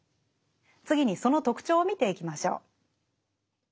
次にその特徴を見ていきましょう。